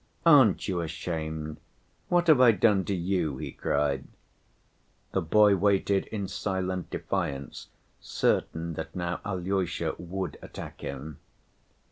"Aren't you ashamed? What have I done to you?" he cried. The boy waited in silent defiance, certain that now Alyosha would attack him.